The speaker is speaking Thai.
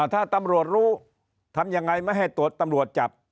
ถ้าตำรวจรู้ทำยังไงไม่ให้ตรวจตำรวจจับ